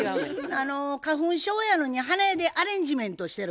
あの花粉症やのに花屋でアレンジメントしてる。